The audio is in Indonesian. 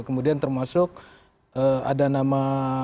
kemudian termasuk ada nama